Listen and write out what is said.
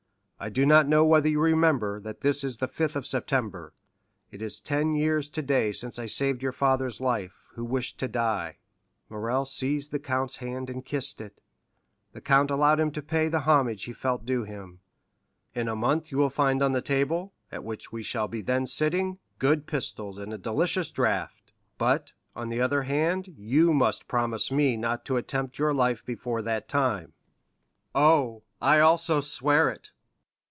I do not know whether you remember that this is the 5th of September; it is ten years today since I saved your father's life, who wished to die." Morrel seized the count's hand and kissed it; the count allowed him to pay the homage he felt due to him. "In a month you will find on the table, at which we shall be then sitting, good pistols and a delicious draught; but, on the other hand, you must promise me not to attempt your life before that time." "Oh, I also swear it!"